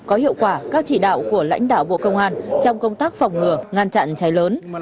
có hiệu quả các chỉ đạo của lãnh đạo bộ công an trong công tác phòng ngừa ngăn chặn cháy lớn